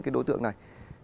đối tượng này